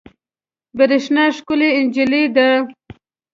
برېښنا ښکلې انجلۍ ده